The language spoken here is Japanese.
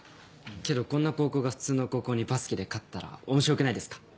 けどこんな高校が普通の高校にバスケで勝ったら面白くないですか？